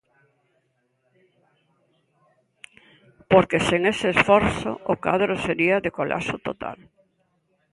Porque sen ese esforzo o cadro sería de colapso total.